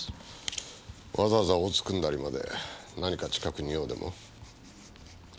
わざわざ大津くんだりまで何か近くに用でも？